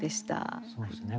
そうですね。